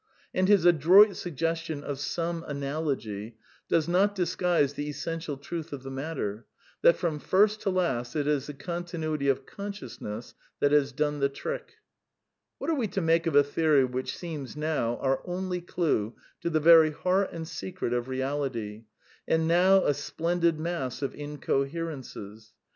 And his adroit suggestion of '^ some analogy " does not disguise the essential truth of the matter, that from first to last it is the continuity of consciousness that has doneJheJricL ^' wnat ai'e we to maEe^ a theory which seems, now, our only clue to the very heart and secret of reality, and now a splendid mass of incoherences